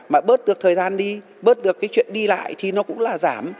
mà bớt được thời gian đi bớt được cái chuyện đi lại thì nó cũng là giảm